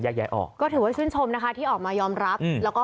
ย้ายออกก็ถือว่าชื่นชมนะคะที่ออกมายอมรับแล้วก็